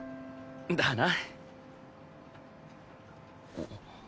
だな。